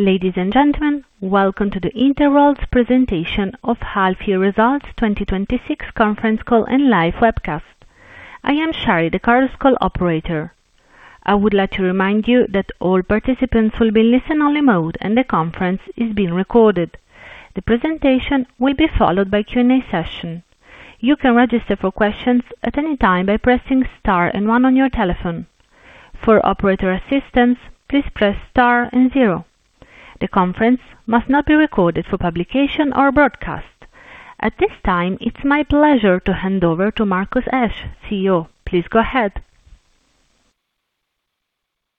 Ladies and gentlemen, welcome to the Interroll presentation of half-year results 2026 conference call and live webcast. I am Shari, the Chorus Call operator. I would like to remind you that all participants will be in listen-only mode and the conference is being recorded. The presentation will be followed by a Q&A session. You can register for questions at any time by pressing star and one on your telephone. For operator assistance, please press star and zero. The conference must not be recorded for publication or broadcast. At this time, it's my pleasure to hand over to Markus Asch, CEO. Please go ahead.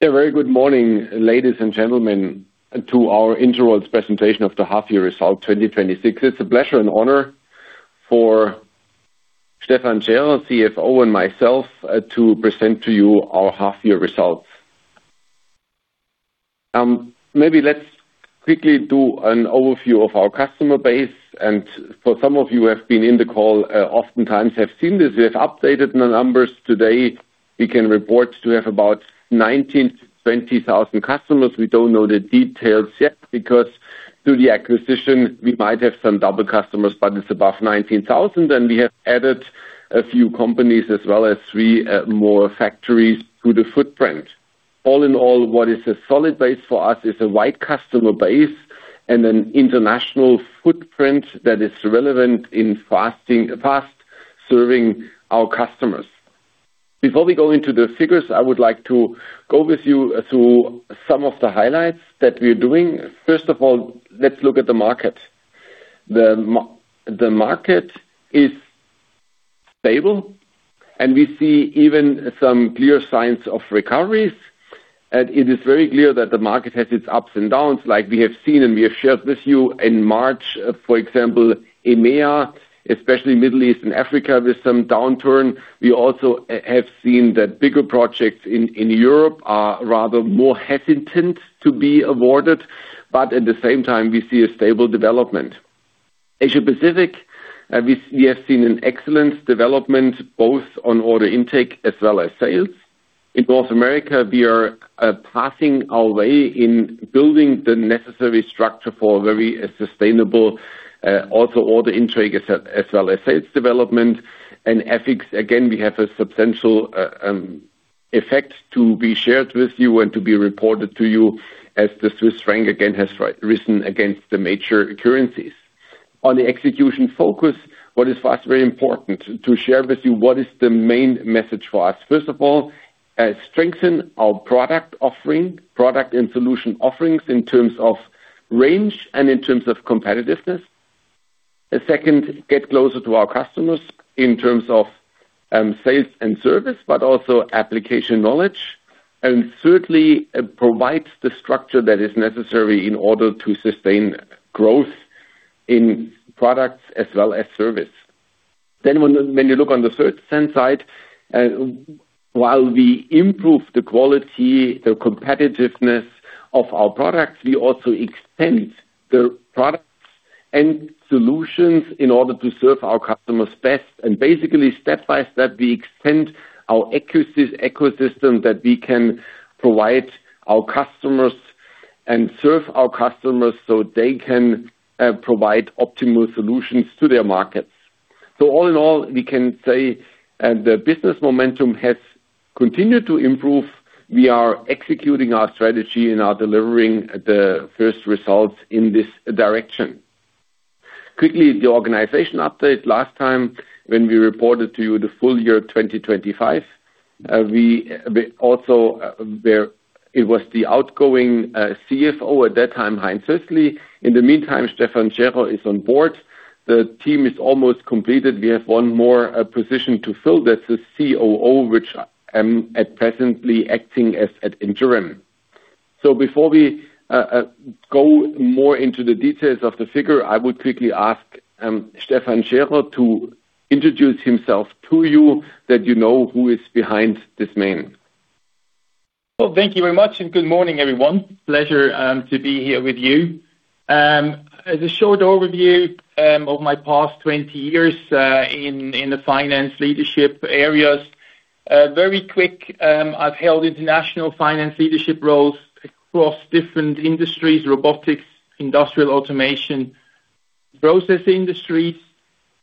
A very good morning, ladies and gentlemen, to our Interroll presentation of the half-year results 2026. It's a pleasure and honor for Stephan Schärer, CFO, and myself to present to you our half-year results. Maybe let's quickly do an overview of our customer base, and for some of you who have been in the call oftentimes have seen this. We have updated the numbers today. We can report to have about 19,000 to 20,000 customers. We don't know the details yet because through the acquisition, we might have some double customers, but it's above 19,000 and we have added a few companies as well as three more factories to the footprint. All in all, what is a solid base for us is a wide customer base and an international footprint that is relevant in fast serving our customers. Before we go into the figures, I would like to go with you through some of the highlights that we're doing. First of all, let's look at the market. The market is stable, and we see even some clear signs of recoveries. It is very clear that the market has its ups and downs, like we have seen and we have shared with you. In March, for example, EMEA, especially Middle East and Africa, with some downturn. We also have seen that bigger projects in Europe are rather more hesitant to be awarded. At the same time, we see a stable development. Asia-Pacific, we have seen an excellent development both on order intake as well as sales. In North America, we are passing our way in building the necessary structure for very sustainable, also order intake as well as sales development. FX, again, we have a substantial effect to be shared with you and to be reported to you as the Swiss franc again has risen against the major currencies. On the execution focus, what is for us very important to share with you what is the main message for us. First of all, strengthen our product offering, product and solution offerings in terms of range and in terms of competitiveness. Second, get closer to our customers in terms of sales and service, but also application knowledge. Thirdly, provide the structure that is necessary in order to sustain growth in products as well as service. When you look on the third side, while we improve the quality, the competitiveness of our products, we also extend the products and solutions in order to serve our customers best. Basically, step-by-step, we extend our ecosystem that we can provide our customers and serve our customers so they can provide optimal solutions to their markets. All in all, we can say the business momentum has continued to improve. We are executing our strategy and are delivering the first results in this direction. Quickly, the organization update. Last time when we reported to you the full-year 2025, it was the outgoing CFO at that time, Heinz Hössli. In the meantime, Stephan Schärer is on board. The team is almost completed. We have one more position to fill. That's the COO, which I am presently acting as at interim. Before we go more into the details of the figure, I would quickly ask Stephan Schärer to introduce himself to you that you know who is behind this name. Well, thank you very much and good morning, everyone. Pleasure to be here with you. As a short overview of my past 20 years in the finance leadership areas. Very quick, I've held international finance leadership roles across different industries, robotics, industrial automation, process industries.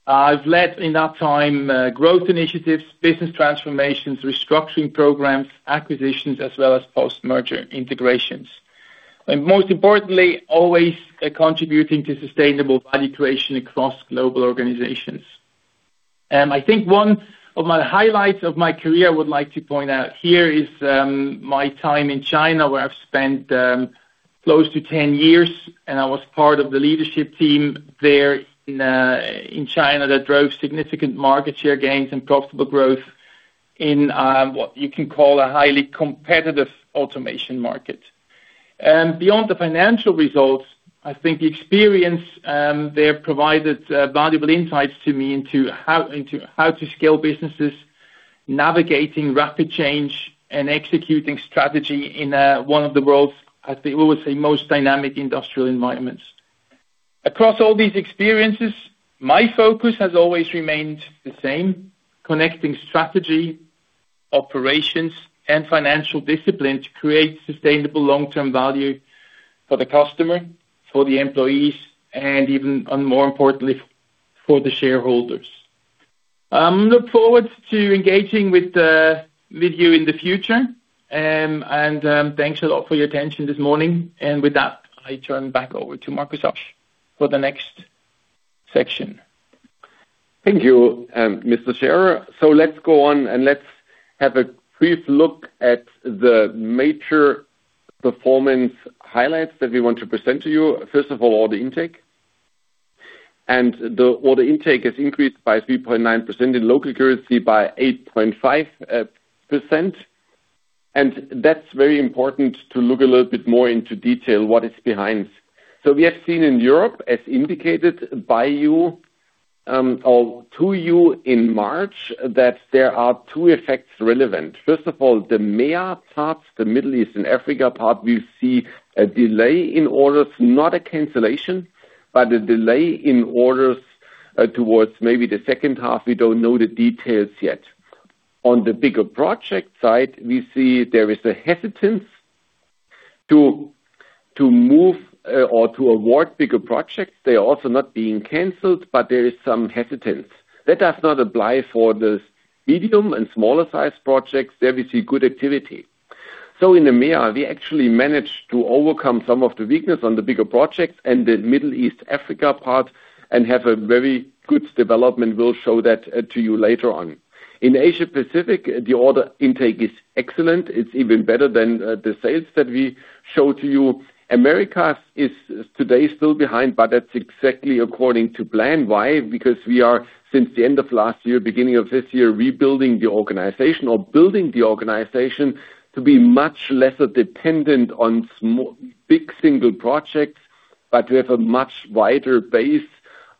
I've led, in that time, growth initiatives, business transformations, restructuring programs, acquisitions, as well as post-merger integrations. Most importantly, always contributing to sustainable value creation across global organizations. I think one of my highlights of my career I would like to point out here is my time in China, where I've spent close to 10 years, and I was part of the leadership team there in China that drove significant market share gains and profitable growth in what you can call a highly competitive automation market. Beyond the financial results, I think the experience there provided valuable insights to me into how to scale businesses, navigating rapid change, and executing strategy in one of the world's, I think we would say, most dynamic industrial environments. Across all these experiences, my focus has always remained the same: connecting strategy, operations, and financial discipline to create sustainable long-term value for the customer, for the employees, and even more importantly, for the shareholders. Look forward to engaging with you in the future. Thanks a lot for your attention this morning. With that, I turn back over to Markus Asch for the next section. Thank you, Mr. Schärer. Let's go on and let's have a brief look at the major performance highlights that we want to present to you. First of all, order intake. The order intake has increased by 3.9% in local currency by 8.5%, and that's very important to look a little bit more into detail what is behind. We have seen in Europe, as indicated by you, or to you in March, that there are two effects relevant. First of all, the MEA parts, the Middle East and Africa part, we see a delay in orders, not a cancellation, but a delay in orders towards maybe the second half. We don't know the details yet. On the bigger project side, we see there is a hesitance to move or to award bigger projects. They're also not being canceled, but there is some hesitance. That does not apply for the medium- and smaller-sized projects. There we see good activity. In the MEA, we actually managed to overcome some of the weakness on the bigger projects and the Middle East, Africa part and have a very good development. We'll show that to you later on. In Asia Pacific, the order intake is excellent. It's even better than the sales that we showed to you. Americas is today still behind, but that's exactly according to plan. Why? Because we are, since the end of last year, beginning of this year, rebuilding the organization or building the organization to be much less dependent on big single projects, but we have a much wider base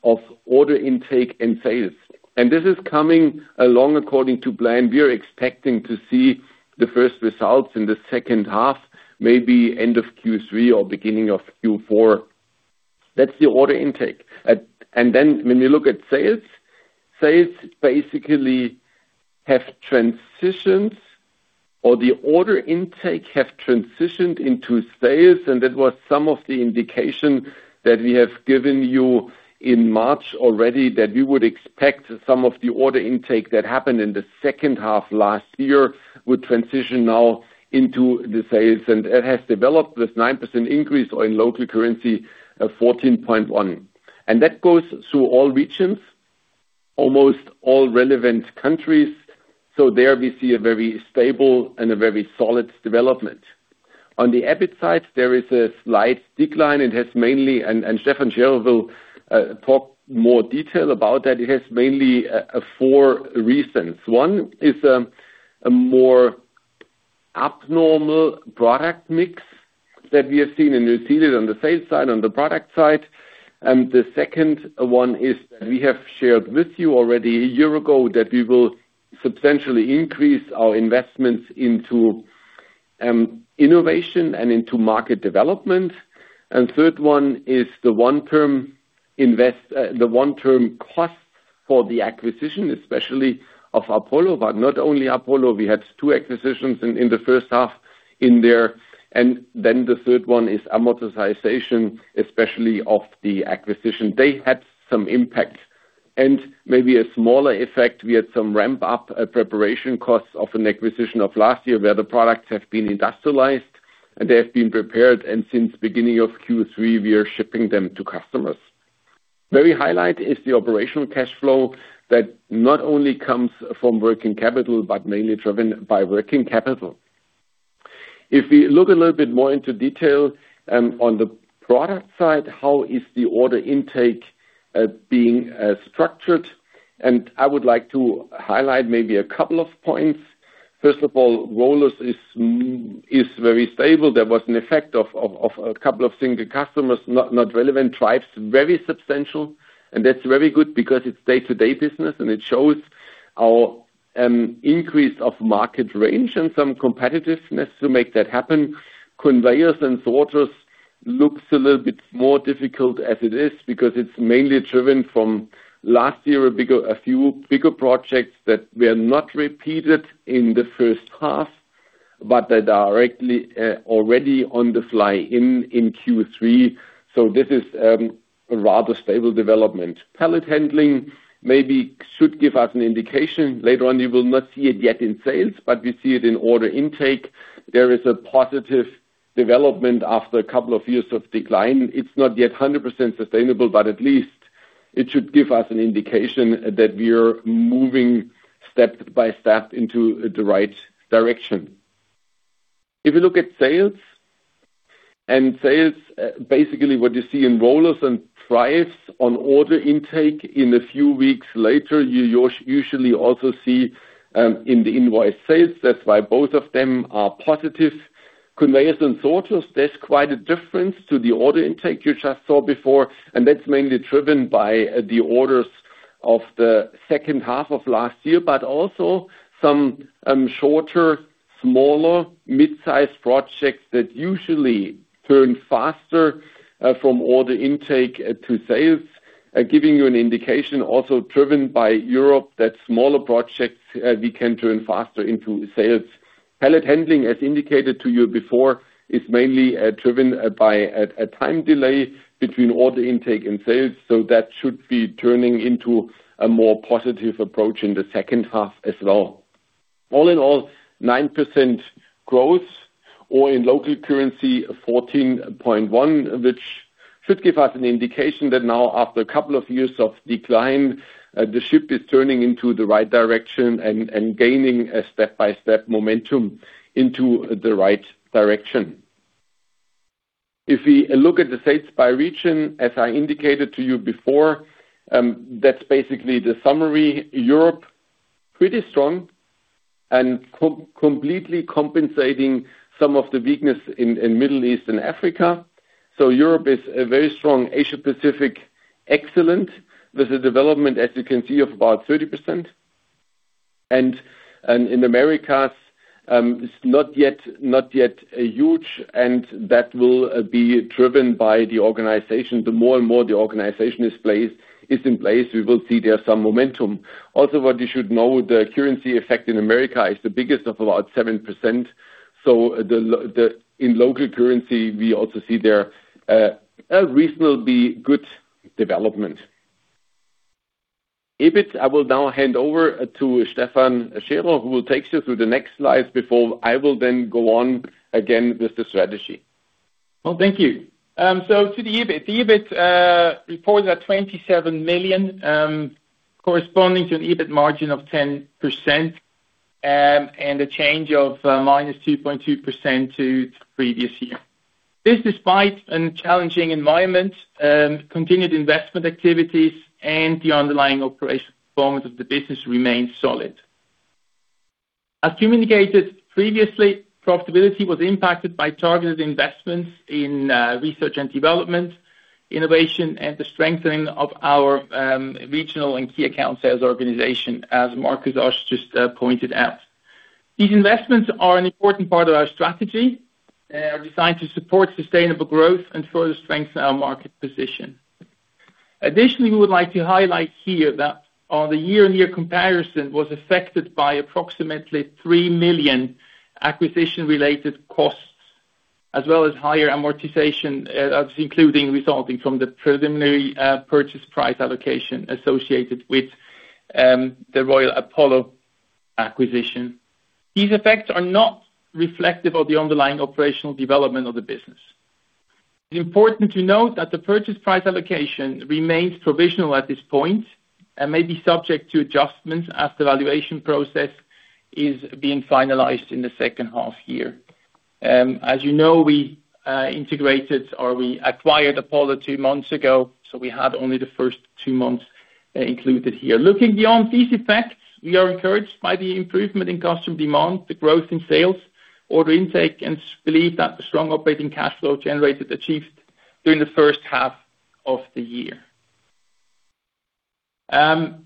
of order intake and sales. This is coming along according to plan. We are expecting to see the first results in the second half, maybe end of Q3 or beginning of Q4. That's the order intake. When you look at sales basically have transitioned, or the order intake have transitioned into sales, and that was some of the indication that we have given you in March already that we would expect some of the order intake that happened in the second half last year would transition now into the sales. It has developed this 9% increase or in local currency, 14.1%. That goes to all regions, almost all relevant countries. There we see a very stable and a very solid development. On the EBIT side, there is a slight decline. It has mainly, and Stephan Schärer will talk more detail about that, it has mainly four reasons. One is a more abnormal product mix that we have seen, you've seen it on the sales side, on the product side. The second one is that we have shared with you already a year ago that we will substantially increase our investments into innovation and into market development. Third one is the one-term cost for the acquisition, especially of Apollo, but not only Apollo. We had two acquisitions in the first half in there. The third one is amortization, especially of the acquisition. They had some impact. Maybe a smaller effect, we had some ramp-up preparation costs of an acquisition of last year where the products have been industrialized and they have been prepared and since beginning of Q3, we are shipping them to customers. The very highlight is the operational cash flow that not only comes from working capital, but mainly driven by working capital. If we look a little bit more into detail, on the product side, how is the order intake being structured? I would like to highlight maybe a couple of points. First of all, Rollers is very stable. There was an effect of a couple of single customers, not relevant. Drives, very substantial. That's very good because it's day-to-day business and it shows our increase of market range and some competitiveness to make that happen. Conveyors & Sorters looks a little bit more difficult as it is because it's mainly driven from last year, a few bigger projects that were not repeated in the first half, but they're directly already on the fly in Q3. This is a rather stable development. Pallet Handling maybe should give us an indication later on. You will not see it yet in sales, but we see it in order intake. There is a positive development after a couple of years of decline. It's not yet 100% sustainable, but at least it should give us an indication that we are moving step-by-step into the right direction. If you look at sales, and sales, basically what you see in Rollers and Drives on order intake in a few weeks later, you usually also see in the invoice sales. That's why both of them are positive. Conveyors & Sorters, there's quite a difference to the order intake you just saw before. That's mainly driven by the orders of the second half of last year, but also some shorter, smaller mid-size projects that usually turn faster from order intake to sales, giving you an indication also driven by Europe that smaller projects we can turn faster into sales. Pallet Handling, as indicated to you before, is mainly driven by a time delay between order intake and sales. That should be turning into a more positive approach in the second half as well. All in all, 9% growth or in local currency, 14.1%, which should give us an indication that now after a couple of years of decline, the ship is turning into the right direction and gaining a step-by-step momentum into the right direction. If we look at the sales by region, as I indicated to you before, that's basically the summary. Europe, pretty strong and completely compensating some of the weakness in Middle East and Africa. Europe is a very strong. Asia-Pacific, excellent, with a development, as you can see, of about 30%. In Americas, it's not yet huge, and that will be driven by the organization. The more and more the organization is in place, we will see there some momentum. Also what you should know, the currency effect in America is the biggest of about 7%. In local currency, we also see there a reasonably good development. EBIT, I will now hand over to Stephan Schärer, who will take you through the next slide before I will then go on again with the strategy. Well, thank you. To the EBIT. The EBIT reports are 27 million, corresponding to an EBIT margin of 10% and a change of -2.2% to the previous year. This despite a challenging environment, continued investment activities, and the underlying operational performance of the business remained solid. As communicated previously, profitability was impacted by targeted investments in research and development, innovation, and the strengthening of our regional and key account sales organization, as Markus Asch just pointed out. These investments are an important part of our strategy, designed to support sustainable growth and further strengthen our market position. Additionally, we would like to highlight here that the year-on-year comparison was affected by approximately 3 million acquisition-related costs, as well as higher amortization, including resulting from the preliminary purchase price allocation associated with the Royal Apollo acquisition. These effects are not reflective of the underlying operational development of the business. It's important to note that the purchase price allocation remains provisional at this point and may be subject to adjustments as the valuation process is being finalized in the second half year. As you know, we integrated or we acquired Apollo two months ago, so we had only the first two months included here. Looking beyond these effects, we are encouraged by the improvement in customer demand, the growth in sales, order intake, and believe that the strong operating cash flow generated achieved during the first half of the year.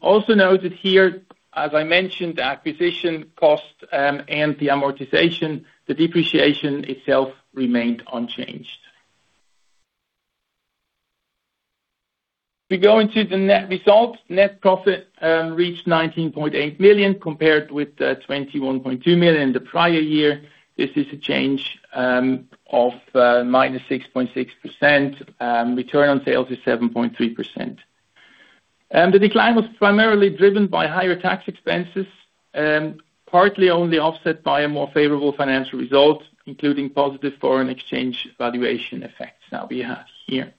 Also noted here, as I mentioned, the acquisition cost and the amortization, the depreciation itself remained unchanged. We go into the net results. Net profit reached 19.8 million compared with 21.2 million the prior year. This is a change of -6.6%. Return on sales is 7.3%. The decline was primarily driven by higher tax expenses, partly only offset by a more favorable financial result, including positive foreign exchange valuation effects that we have here.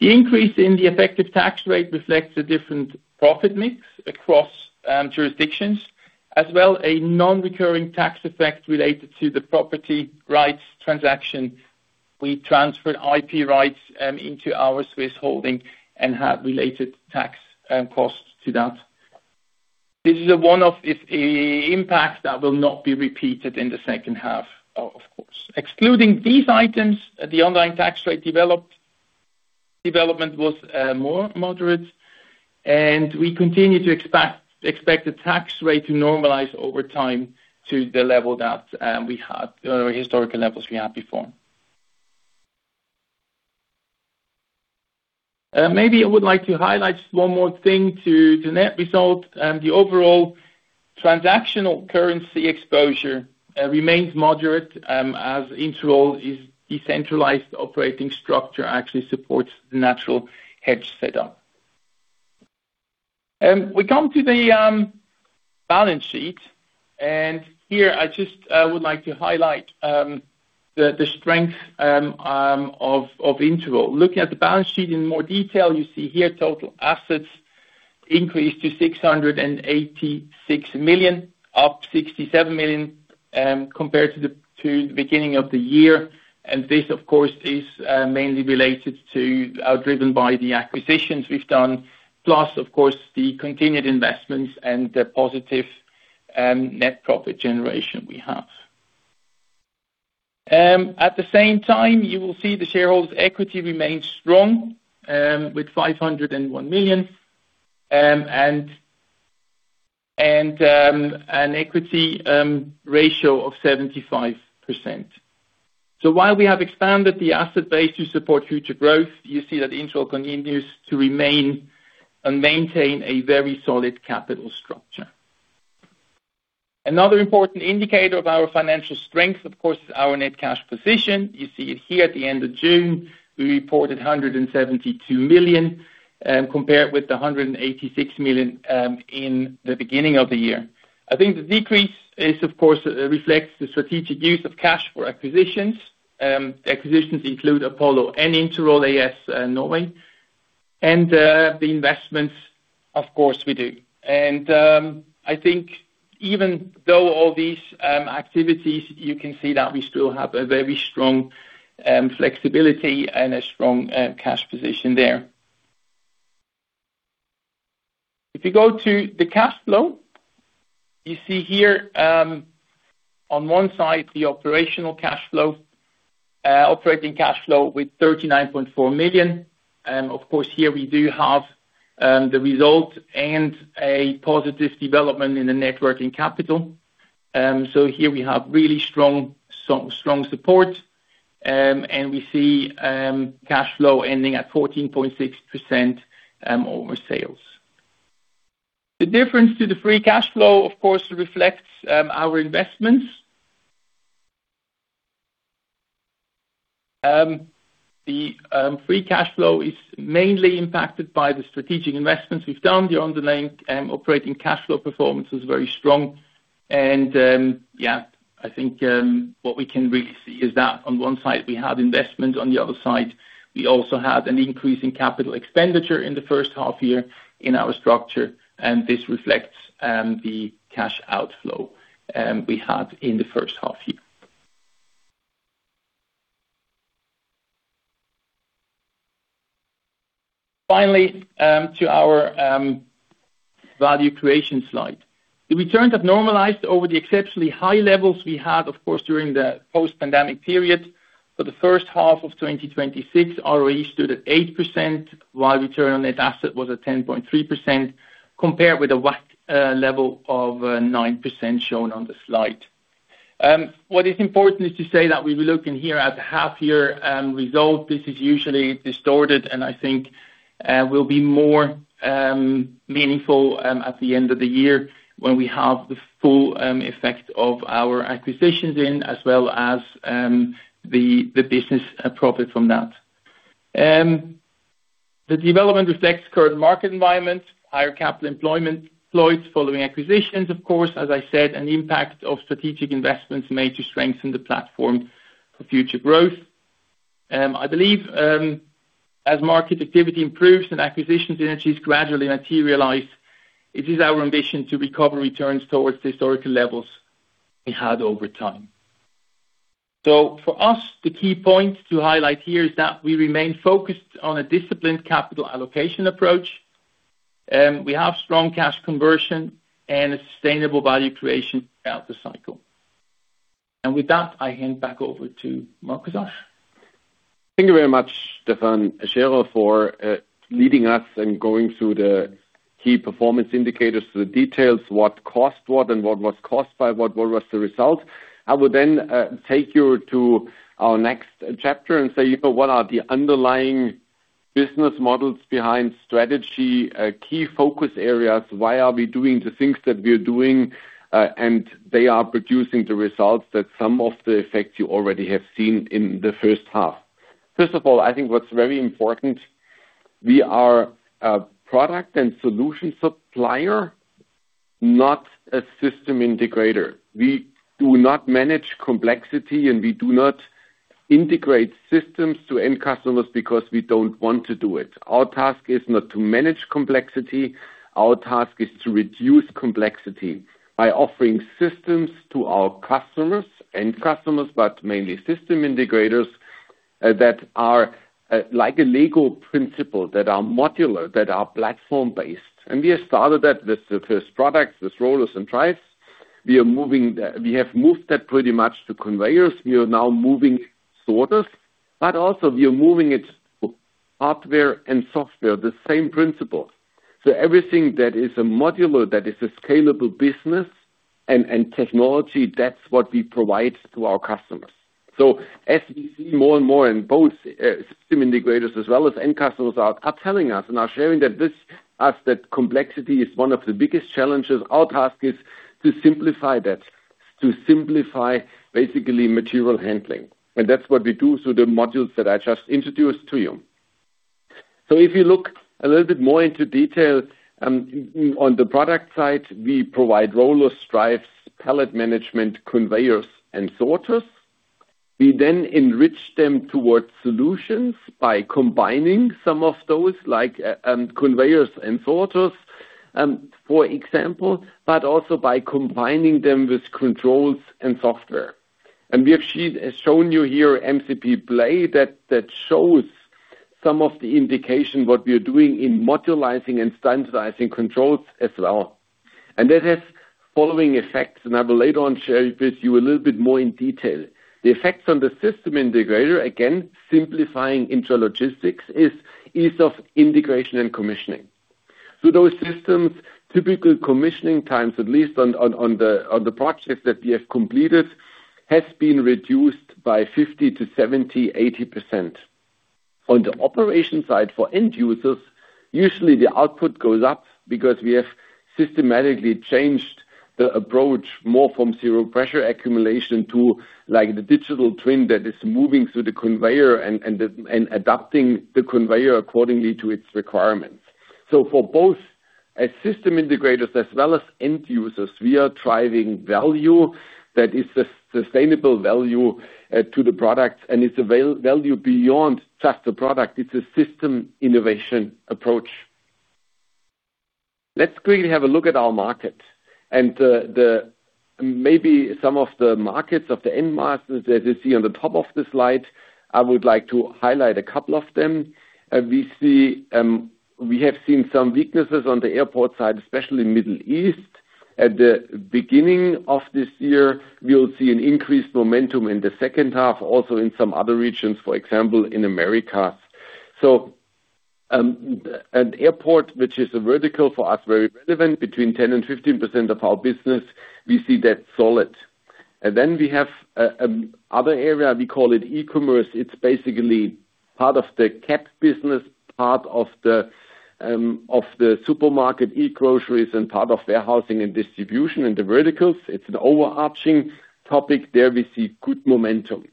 The increase in the effective tax rate reflects a different profit mix across jurisdictions, as well a non-recurring tax effect related to the property rights transaction. We transferred IP rights into our Swiss holding and have related tax costs to that. This is one of its impacts that will not be repeated in the second half, of course. Excluding these items, the underlying tax rate development was more moderate, and we continue to expect the tax rate to normalize over time to the historical levels we had before. I would like to highlight one more thing to the net result. The overall transactional currency exposure remains moderate, as Interroll's decentralized operating structure actually supports the natural hedge setup. We come to the balance sheet. Here I just would like to highlight the strength of Interroll. Looking at the balance sheet in more detail, you see here total assets increased to 686 million, up 67 million, compared to the beginning of the year. This, of course, is mainly driven by the acquisitions we've done. Plus, of course, the continued investments and the positive net profit generation we have. At the same time, you will see the shareholders' equity remains strong, with 501 million, and an equity ratio of 75%. While we have expanded the asset base to support future growth, you see that Interroll continues to remain and maintain a very solid capital structure. Another important indicator of our financial strength, of course, is our net cash position. You see it here at the end of June, we reported 172 million, compared with 186 million in the beginning of the year. I think the decrease, of course, reflects the strategic use of cash for acquisitions. Acquisitions include Apollo and Interroll AS Norway. The investments, of course we do. I think even though all these activities, you can see that we still have a very strong flexibility and a strong cash position there. If you go to the cash flow, you see here on one side, the operational cash flow. Operating cash flow with 39.4 million. Of course, here we do have the result and a positive development in the net working capital. Here we have really strong support, and we see cash flow ending at 14.6% over sales. The difference to the free cash flow, of course, reflects our investments. The free cash flow is mainly impacted by the strategic investments we've done here underlying operating cash flow performance was very strong. I think what we can really see is that on one side, we had investment, on the other side, we also had an increase in CapEx in the first half year in our structure, and this reflects the cash outflow we had in the first half year. Finally, to our value creation slide. The returns have normalized over the exceptionally high levels we had, of course, during the post-pandemic period. For the first half of 2026, ROE stood at 8%, while return on net asset was at 10.3%, compared with a WACC level of 9% shown on the slide. What is important is to say that we're looking here at half year result. This is usually distorted. I think will be more meaningful at the end of the year when we have the full effect of our acquisitions in, as well as the business profit from that. The development reflects current market environment, higher capital employed following acquisitions, of course, as I said, and the impact of strategic investments made to strengthen the platform for future growth. I believe as market activity improves and acquisitions synergies gradually materialize, it is our ambition to recover returns towards historical levels we had over time. For us, the key point to highlight here is that we remain focused on a disciplined capital allocation approach. We have strong cash conversion and a sustainable value creation throughout the cycle. With that, I hand back over to Markus Asch. Thank you very much, Stephan Schärer, for leading us and going through the key performance indicators to the details, what caused what and what was caused by what was the result. I will take you to our next chapter, what are the underlying business models behind strategy, key focus areas? Why are we doing the things that we are doing? They are producing the results that some of the effects you already have seen in the first half. First of all, I think what's very important, we are a product and solution supplier, not a system integrator. We do not manage complexity. We do not integrate systems to end customers because we don't want to do it. Our task is not to manage complexity. Our task is to reduce complexity by offering systems to our customers, end-customers, but mainly system integrators, that are like a LEGO principle, that are modular, that are platform-based. We have started that with the first product, with Rollers and Drives. We have moved that pretty much to Conveyors. We are now moving Sorters. Also, we are moving it to hardware and software, the same principle. Everything that is a modular, that is a scalable business and technology, that's what we provide to our customers. As we see more and more in both system integrators as well as end customers are telling us and are sharing with us that complexity is one of the biggest challenges. Our task is to simplify that, to simplify basically material handling. That's what we do through the modules that I just introduced to you. If you look a little bit more into detail on the product side, we provide Rollers, Drives, Pallet Handling, Conveyors & Sorters. We then enrich them towards solutions by combining some of those, like Conveyors & Sorters, for example, but also by combining them with controls and software. We have shown you here MCP PLAY that shows some of the indication what we are doing in modularizing and standardizing controls as well. That has following effects, and I will later on share with you a little bit more in detail. The effects on the system integrator, again, simplifying intralogistics, is ease of integration and commissioning. Those systems, typical commissioning times, at least on the projects that we have completed, has been reduced by 50%-70%, 80%. On the operation side for end users, usually the output goes up because we have systematically changed the approach more from zero pressure accumulation to the digital twin that is moving through the conveyor and adapting the conveyor accordingly to its requirements. For both as system integrators as well as end users, we are driving value that is a sustainable value to the product, and it's a value beyond just the product. It's a system innovation approach. Let's quickly have a look at our market and maybe some of the markets of the end-markets that you see on the top of the slide, I would like to highlight a couple of them. We have seen some weaknesses on the airport side, especially Middle East. At the beginning of this year, we will see an increased momentum in the second half, also in some other regions, for example, in Americas. An airport, which is a vertical for us, very relevant, between 10%-15% of our business, we see that solid. We have other area, we call it e-commerce. It's basically part of the CEP business, part of the supermarket e-groceries, and part of warehousing and distribution in the verticals. It's an overarching topic. There we see good momentum.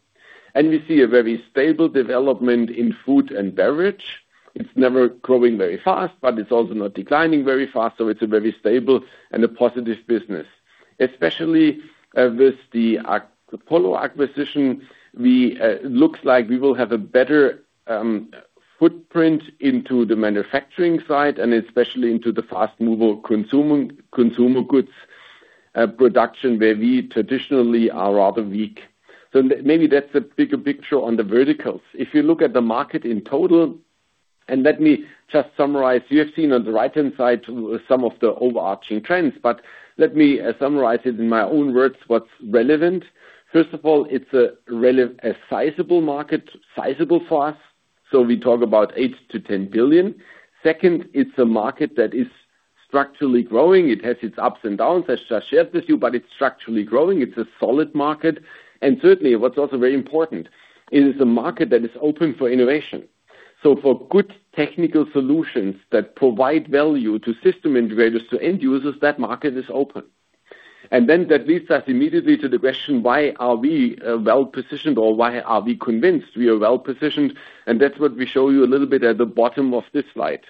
We see a very stable development in food and beverage. It's never growing very fast, but it's also not declining very fast, so it's a very stable and a positive business. Especially with the Apollo acquisition, looks like we will have a better footprint into the manufacturing side and especially into the Fast-Moving Consumer Goods production, where we traditionally are rather weak. Maybe that's a bigger picture on the verticals. If you look at the market in total, let me just summarize. You have seen on the right-hand side some of the overarching trends, but let me summarize it in my own words what's relevant. First of all, it's a sizable market, sizable for us. We talk about 8 billion-10 billion. Second, it's a market that is structurally growing. It has its ups and downs, as I shared with you, but it's structurally growing. It's a solid market. Certainly, what's also very important, it is a market that is open for innovation. For good technical solutions that provide value to system integrators, to end users, that market is open. That leads us immediately to the question, why are we well-positioned or why are we convinced we are well-positioned? That's what we show you a little bit at the bottom of this slide.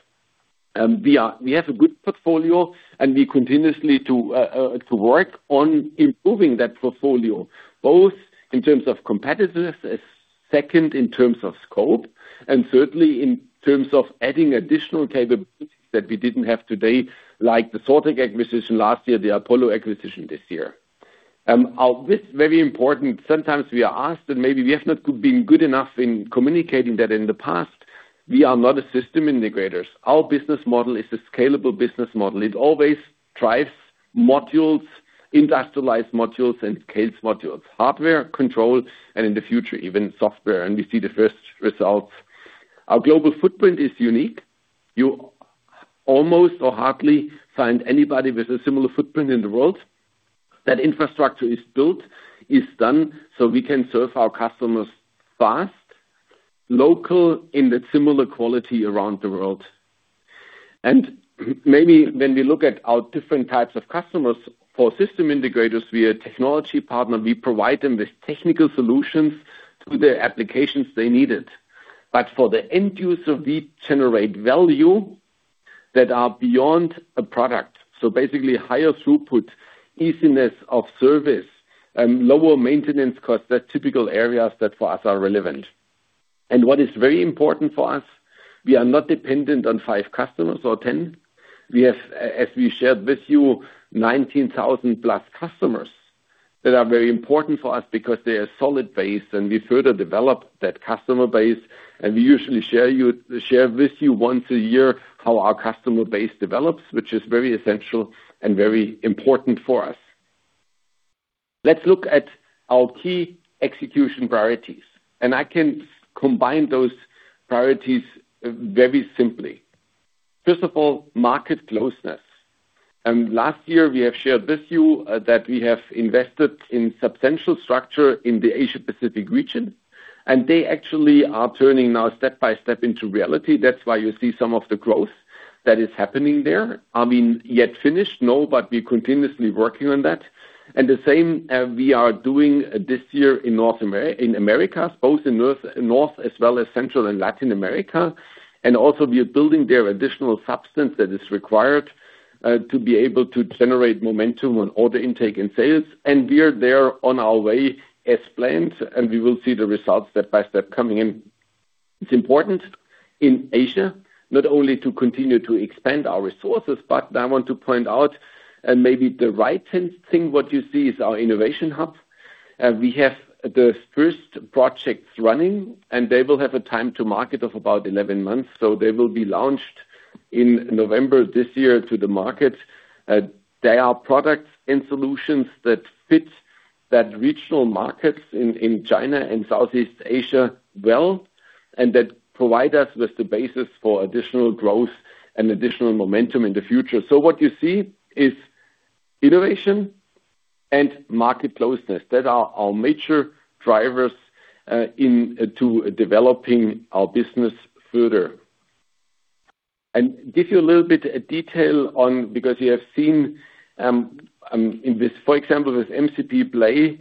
We have a good portfolio, we continuously work on improving that portfolio, both in terms of competitiveness, second in terms of scope, and certainly in terms of adding additional capabilities that we didn't have today, like the Sortteq acquisition last year, the Apollo acquisition this year. This is very important. Sometimes we are asked, maybe we have not been good enough in communicating that in the past. We are not a system integrators. Our business model is a scalable business model. It always drives modules, industrialized modules, and scales modules, hardware, control, and in the future, even software. We see the first results. Our global footprint is unique. You almost or hardly find anybody with a similar footprint in the world. That infrastructure is built, is done, so we can serve our customers fast, local, in a similar quality around the world. Maybe when we look at our different types of customers, for system integrators, we are a technology partner. We provide them with technical solutions to the applications they needed. For the end user, we generate value that are beyond a product. Basically, higher throughput, easiness of service, and lower maintenance costs. They're typical areas that for us are relevant. What is very important for us, we are not dependent on five customers or 10. We have, as we shared with you, 19,000+ customers that are very important for us because they are solid base, and we further develop that customer base, and we usually share with you once a year how our customer base develops, which is very essential and very important for us. Let's look at our key execution priorities, I can combine those priorities very simply. First of all, market closeness. Last year, we have shared with you that we have invested in substantial structure in the Asia-Pacific region, they actually are turning now step-by-step into reality. That's why you see some of the growth that is happening there. I mean, yet finished, no, we're continuously working on that. The same we are doing this year in Americas, both in North as well as Central and Latin America. We are building their additional substance that is required, to be able to generate momentum on order intake and sales. We are there on our way as planned, we will see the results step-by-step coming in. It's important in Asia, not only to continue to expand our resources, I want to point out, and maybe the right-hand thing, what you see is our innovation hub. We have the first projects running, they will have a time to market of about 11 months, so they will be launched in November this year to the market. They are products and solutions that fit that regional markets in China and Southeast Asia well, that provide us with the basis for additional growth and additional momentum in the future. What you see is innovation and market closeness. That are our major drivers to developing our business further. Give you a little bit of detail on, because you have seen, for example, with MCP PLAY,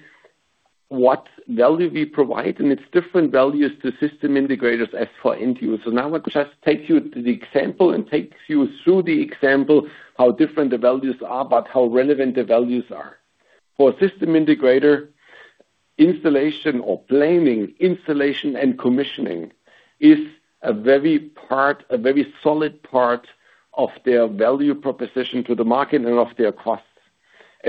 what value we provide, and it's different values to system integrators as for end users. Now I could just take you to the example and take you through the example, how different the values are, but how relevant the values are. For system integrator, installation or laying, installation and commissioning is a very solid part of their value proposition to the market and of their costs.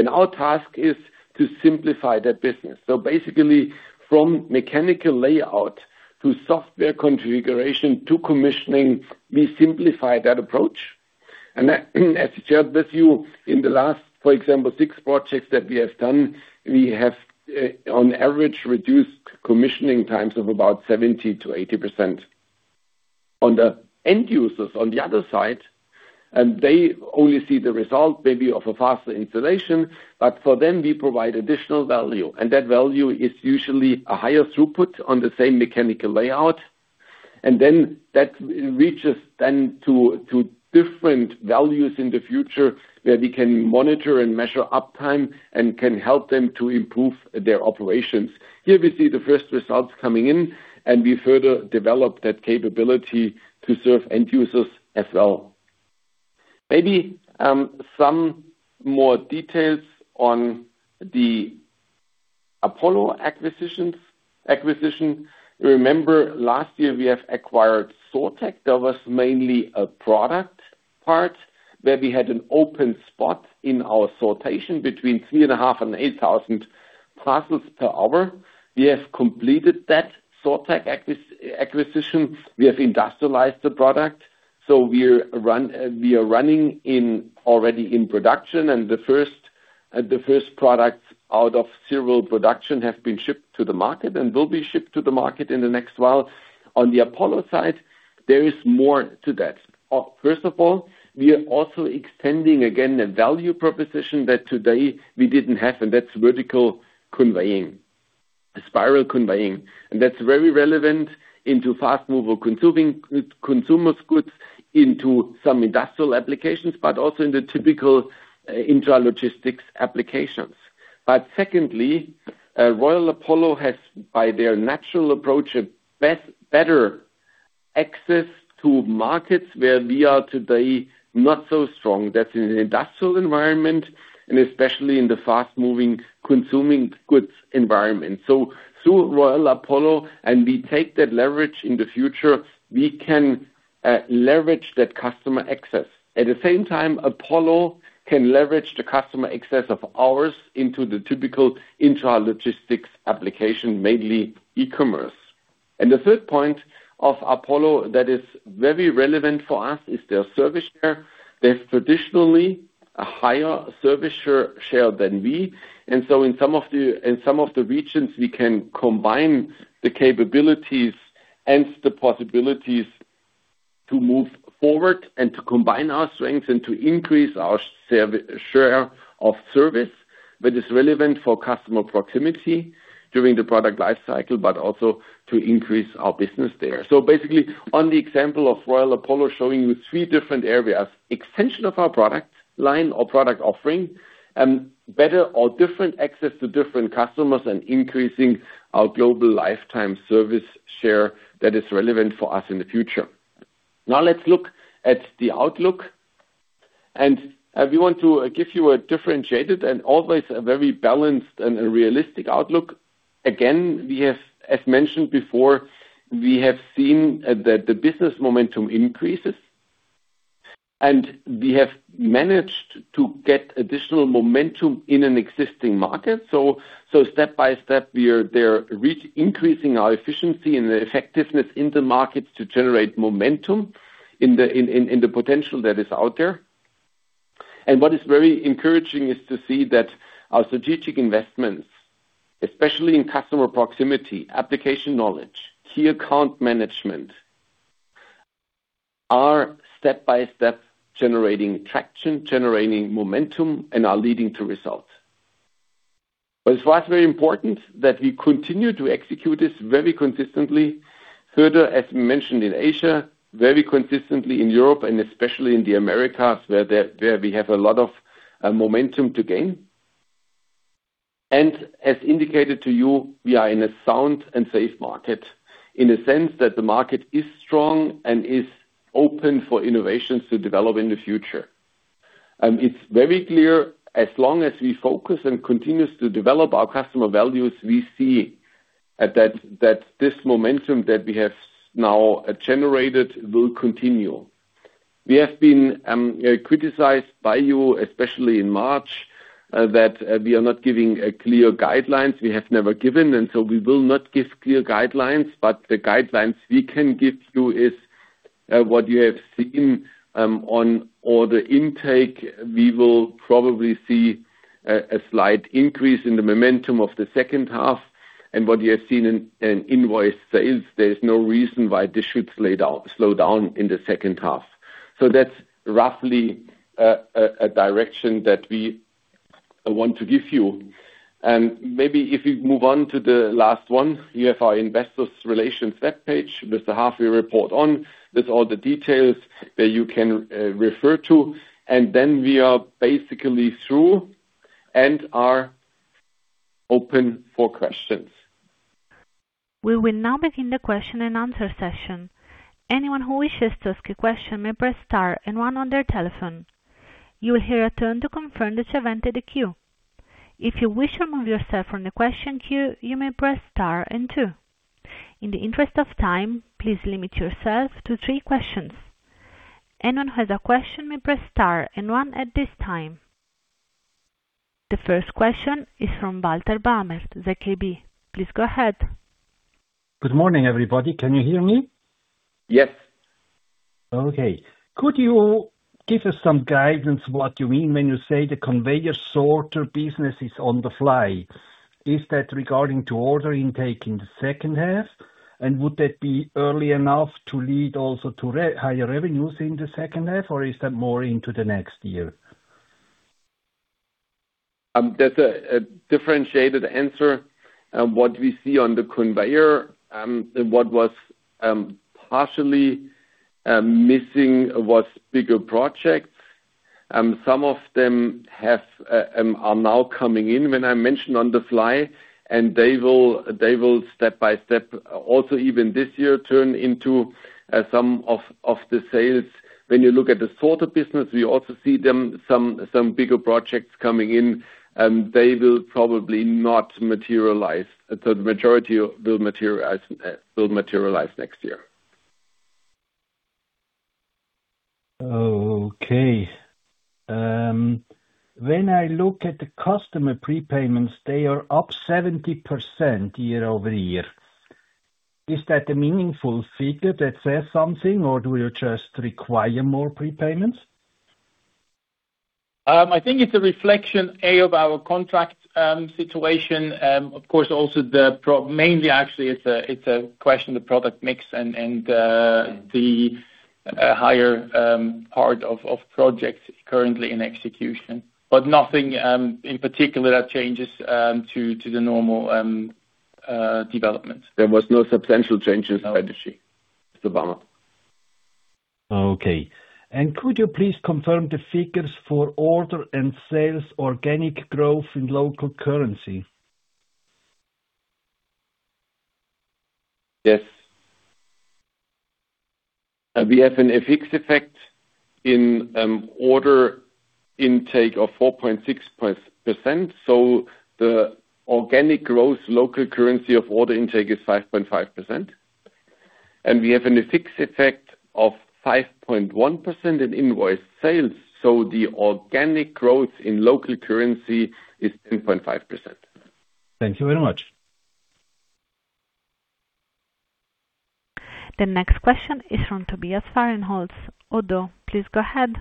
Our task is to simplify that business. Basically from mechanical layout to software configuration to commissioning, we simplify that approach. As I shared with you in the last, for example, six projects that we have done, we have, on average, reduced commissioning times of about 70%-80%. On the end users, on the other side, they only see the result maybe of a faster installation, but for them we provide additional value. That value is usually a higher throughput on the same mechanical layout, and that reaches to different values in the future where we can monitor and measure uptime and can help them to improve their operations. Here we see the first results coming in. We further develop that capability to serve end users as well. Maybe some more details on the Apollo acquisition. You remember last year we have acquired Sortteq. That was mainly a product part where we had an open spot in our sortation between 3,500 and 8,000 parcels per hour. We have completed that Sortteq acquisition. We have industrialized the product. We are running already in production, and the first product out of serial production has been shipped to the market and will be shipped to the market in the next while. On the Apollo side, there is more to that. First of all, we are also extending again a value proposition that today we didn't have. That's vertical conveying, spiral conveying. That's very relevant into Fast-Moving Consumer Goods, into some industrial applications, but also in the typical intralogistics applications. Secondly, Royal Apollo has, by their natural approach, a better access to markets where we are today not so strong. That's in an industrial environment and especially in the Fast-Moving Consumer Goods environment. Through Royal Apollo, and we take that leverage in the future, we can leverage that customer access. At the same time, Apollo can leverage the customer access of ours into the typical intralogistics application, mainly e-commerce. The third point of Apollo that is very relevant for us is their service share. They have traditionally a higher service share than we. In some of the regions, we can combine the capabilities and the possibilities to move forward and to combine our strengths and to increase our share of service that is relevant for customer proximity during the product life cycle, but also to increase our business there. Basically, on the example of Royal Apollo showing you three different areas. Extension of our product line or product offering, better or different access to different customers, and increasing our global Lifetime Service share that is relevant for us in the future. Now let's look at the outlook. We want to give you a differentiated and always a very balanced and a realistic outlook. Again, as mentioned before, we have seen that the business momentum increases. We have managed to get additional momentum in an existing market. Step-by-step, we are there increasing our efficiency and effectiveness in the markets to generate momentum in the potential that is out there. What is very encouraging is to see that our strategic investments, especially in customer proximity, application knowledge, key account management, are step-by-step generating traction, generating momentum, and are leading to results. It's for us very important that we continue to execute this very consistently. Further, as mentioned in Asia, very consistently in Europe and especially in the Americas, where we have a lot of momentum to gain. As indicated to you, we are in a sound and safe market in a sense that the market is strong and is open for innovations to develop in the future. It's very clear, as long as we focus and continues to develop our customer values, we see that this momentum that we have now generated will continue. We have been criticized by you, especially in March, that we are not giving clear guidelines. We have never given, we will not give clear guidelines. The guidelines we can give you is what you have seen on order intake. We will probably see a slight increase in the momentum of the second half. What you have seen in invoice sales, there is no reason why this should slow down in the second half. That's roughly a direction that we want to give you. Maybe if we move on to the last one. We have our Investor Relations webpage with the half year report, with all the details that you can refer to. We are basically through and are open for questions. We will now begin the question-and-answer session. Anyone who wishes to ask a question may press star and one on their telephone. You will hear a tone to confirm that you have entered the queue. If you wish to remove yourself from the question queue, you may press star and two. In the interest of time, please limit yourself to three questions. Anyone who has a question may press star and one at this time. The first question is from Walter Bamert, ZKB. Please go ahead. Good morning, everybody. Can you hear me? Yes. Could you give us some guidance what you mean when you say the Conveyors & Sorters business is on the fly? Is that regarding to order intake in the second half? Would that be early enough to lead also to higher revenues in the second half? Or is that more into the next year? That's a differentiated answer. What we see on the Conveyors, what was partially missing was bigger projects. Some of them are now coming in. When I mention on the fly, they will step-by-step, also even this year, turn into some of the sales. When you look at the Sorters business, we also see some bigger projects coming in. They will probably not materialize. The majority will materialize next year. When I look at the customer prepayments, they are up 70% year-over-year. Is that a meaningful figure that says something, or do you just require more prepayments? I think it's a reflection of our contract situation. Mainly actually it's a question of the product mix and the higher part of projects currently in execution. Nothing in particular that changes to the normal development. There was no substantial change in strategy, Mr. Bamert. Okay. Could you please confirm the figures for order and sales organic growth in local currency? Yes. We have an FX effect in order intake of 4.6%. The organic growth local currency of order intake is 5.5%. We have an FX effect of 5.1% in invoice sales. The organic growth in local currency is 10.5%. Thank you very much. The next question is from Tobias Fahrenholz, ODDO. Please go ahead.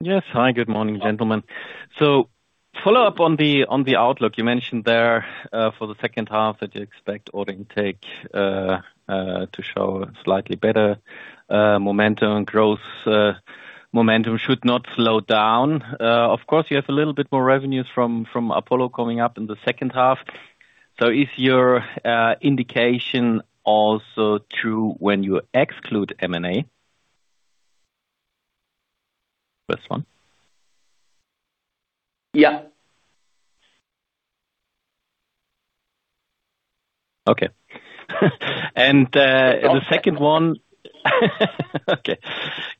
Yes. Hi, good morning, gentlemen. Follow up on the outlook. You mentioned there for the second half that you expect order intake to show slightly better momentum. Growth momentum should not slow down. Of course, you have a little bit more revenues from Apollo coming up in the second half. Is your indication also true when you exclude M&A? This one. Yeah. Okay. The second one. Okay,